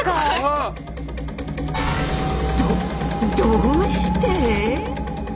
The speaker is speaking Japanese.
どどうして！？